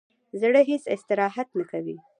زړه هیڅ استراحت نه کوي.